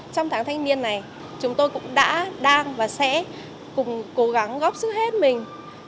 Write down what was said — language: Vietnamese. trong tháng thanh niên này chúng tôi cũng đã đang và sẽ cùng cố gắng góp sức hết mình